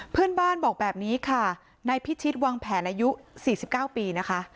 เพื่อนบ้านบอกแบบนี้ค่ะนายพิชิตวางแผนอายุ๔๙ปีนะคะ